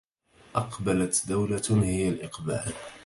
أقبلت دولة هي الإقبال